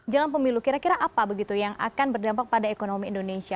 jelang pemilu kira kira apa begitu yang akan berdampak pada ekonomi indonesia